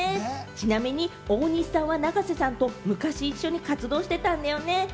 ちなみに大西さんは永瀬さんと昔、一緒に活動していたんだよね？